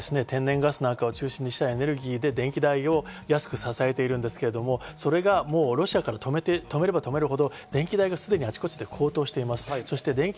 天然ガスなんかを中心にしたエネルギーで電気代を安く支えているんですけど、それがもうロシアから止めれば止めるほど、電気代があちこちで高騰しています。